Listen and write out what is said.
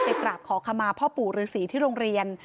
กราบขอขมาพ่อปู่ฤษีที่โรงเรียน